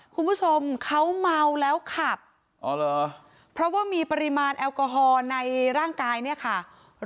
คุณผู้ชมเขาเมาแล้วขับเพราะว่ามีปริมาณแอลกอฮอล์ในร่างกายเนี่ยค่ะ